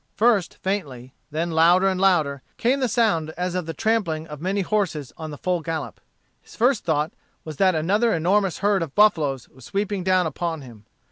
First faintly, then louder and louder came the sound as of the trampling of many horses on the full gallop. His first thought was that another enormous herd of buffaloes was sweeping down upon him.